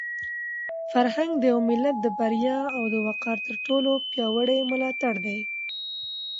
فرهنګ د یو ملت د بریا او د وقار تر ټولو پیاوړی ملاتړی دی.